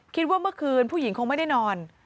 คิดว่าเมื่อคืนผู้หญิงคงไม่ได้นอน